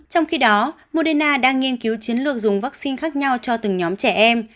trong khi đó moderna đang nghiên cứu chiến lược dùng vaccine khác nhau cho từng nhóm trẻ em